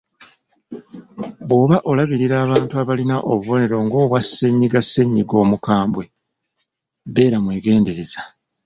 Bw’oba olabirira abantu abalina obubonero ng’obwa ssennyiga ssennyiga omukambwe, beera mwegendereza.